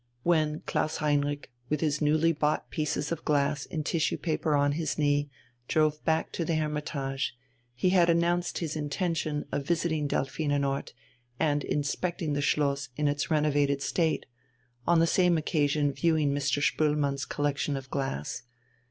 When Klaus Heinrich, with his newly bought pieces of glass in tissue paper on his knee, drove back to the "Hermitage," he had announced his intention of visiting Delphinenort and inspecting the Schloss in its renovated state, on the same occasion viewing Mr. Spoelmann's collection of glass.